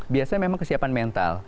biasanya memang kesiapan mental